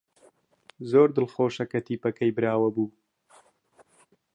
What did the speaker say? زۆر دڵخۆشە کە تیپەکەی براوە بوو.